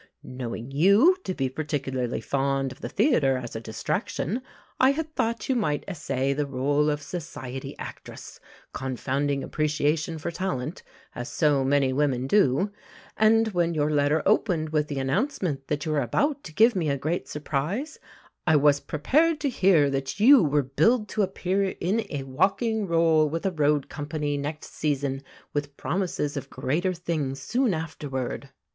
Knowing you to be particularly fond of the theatre as a distraction, I had thought you might essay the rôle of society actress, confounding appreciation for talent, as so many women do; and when your letter opened with the announcement that you were about to give me a great surprise, I was prepared to hear that you were billed to appear in a walking rôle, with a road company, next season, with promises of greater things "soon afterward."